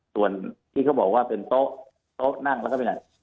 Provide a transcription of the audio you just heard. ส่วนที่เขาบอกว่าเป็นโต๊ะโต๊ะนั่งแล้วก็เป็นอย่างนั้น